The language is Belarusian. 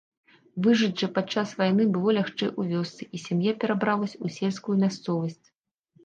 Выжыць жа падчас вайны было лягчэй у вёсцы, і сям'я перабралася ў сельскую мясцовасць.